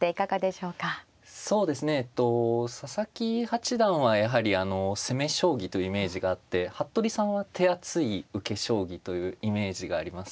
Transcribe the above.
そうですね佐々木八段はやはりあの攻め将棋というイメージがあって服部さんは手厚い受け将棋というイメージがあります。